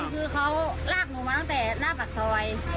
คือเขาลากหนูมาตั้งแต่หน้าปากซอย